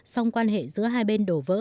xong quan hệ giữa hai bên đổ vỡ